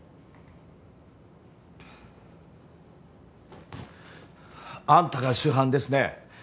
うんあんたが主犯ですね？